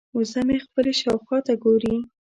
وزه مې خپلې شاوخوا ته ګوري.